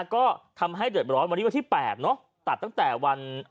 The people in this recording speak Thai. ก็ทำให้เดือดร้อนวันนี้วันที่๘เนอะตัดตั้งแต่วัน